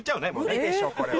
無理でしょこれは。